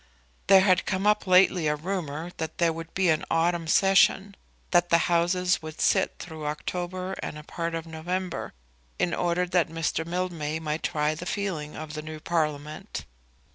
There had come up lately a rumour that there would be an autumn session, that the Houses would sit through October and a part of November, in order that Mr. Mildmay might try the feeling of the new Parliament.